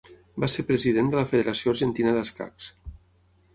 Va ser President de la Federació Argentina d'Escacs.